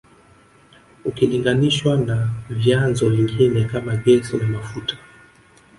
Ukilinganishwa na vyanzo vingine kama gesi na mafuta